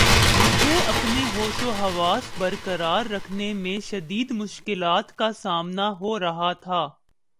مجھے اپنے ہوش و حواس بر قرار رکھنے میں شدید مشکلات کا سامنا ہو رہا تھا